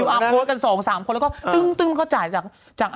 อยู่อังโลกัน๒๓คนแล้วก็ตึ้งเขาจ่ายจาก